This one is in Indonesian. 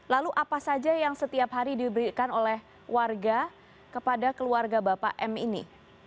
lalu apa saja yang setiap hari diberikan oleh warga kepada keluarga bapak m ini